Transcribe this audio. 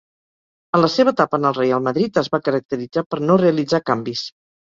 En la seva etapa en el Reial Madrid, es va caracteritzar per no realitzar canvis.